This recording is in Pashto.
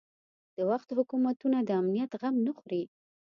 د وخت حکومتونه د امنیت غم نه خوري.